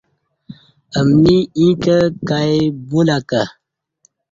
امنی ایں کہ کائی بولہ کہ